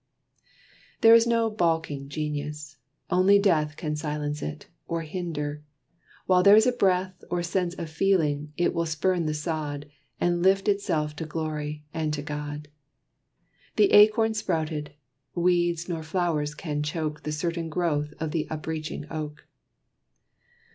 There is no balking Genius. Only death Can silence it, or hinder. While there's breath Or sense of feeling, it will spurn the sod, And lift itself to glory, and to God. The acorn sprouted weeds nor flowers can choke The certain growth of th' upreaching oak.